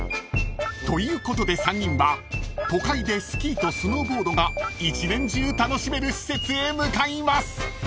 ［ということで３人は都会でスキーとスノーボードが一年中楽しめる施設へ向かいます］